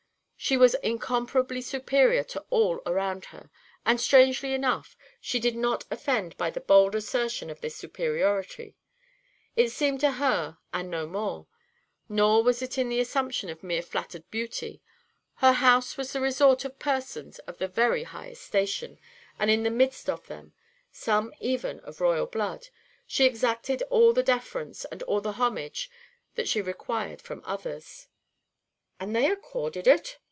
She was incomparably superior to all around her, and, strangely enough, she did not offend by the bold assertion of this superiority. It seemed her due, and no more. Nor was it the assumption of mere flattered beauty. Her house was the resort of persons of the very highest station, and in the midst of them some even of royal blood she exacted all the deference and all the homage that she required from others." "And they accorded it?"